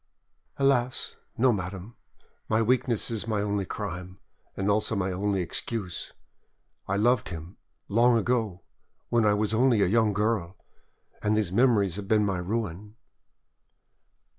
"Alas! no, madame; my weakness is my only crime, and also my only excuse. I loved him, long ago, when I was only a young girl, and these memories have been my ruin."